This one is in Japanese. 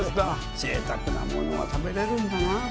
ぜいたくなものが食べれるんだなあ。